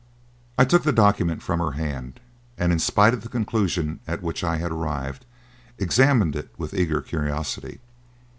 I took the document from her hand and, in spite of the conclusion at which I had arrived, examined it with eager curiosity.